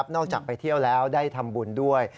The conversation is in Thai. จากไปเที่ยวแล้วได้ทำบุญด้วย